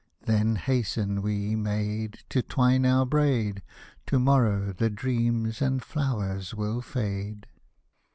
Then hasten we, maid, To twine our braid, To morrow the dreams and flowers will fade.